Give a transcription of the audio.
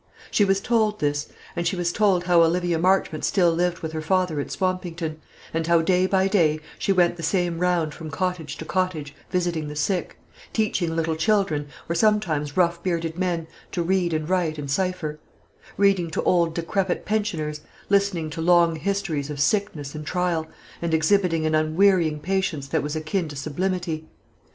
She was told this: and she was told how Olivia Marchmont still lived with her father at Swampington, and how day by day she went the same round from cottage to cottage, visiting the sick; teaching little children, or sometimes rough bearded men, to read and write and cipher; reading to old decrepit pensioners; listening to long histories of sickness and trial, and exhibiting an unwearying patience that was akin to sublimity.